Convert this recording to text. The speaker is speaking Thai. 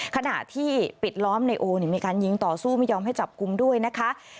ขณะที่ปิดล้อมในโอมีการยิงต่อสู้ไม่ยอมให้จับกลุ่มด้วยนะคะ